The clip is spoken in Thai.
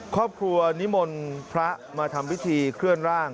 ครอบครัวนิมนต์พระมาทำพิธีเคลื่อนร่าง